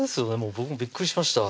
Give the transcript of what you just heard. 僕もびっくりしました